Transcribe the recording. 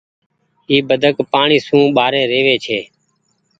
اي بدڪ پآڻيٚ سون ٻآري ڀي رهوي ڇي۔